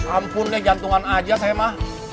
ampun deh jantungan aja saya mah